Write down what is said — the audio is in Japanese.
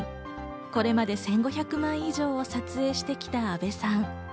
これまで１５００枚以上を撮影してきた阿部さん。